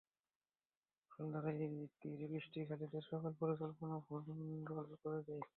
মুষলধারায় তীর-বৃষ্টি খালিদের সকল পরিকল্পনা ভণ্ডুল করে দেয়।